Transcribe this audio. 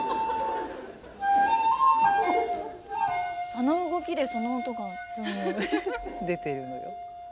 あの動きでその音が。出てるのよ。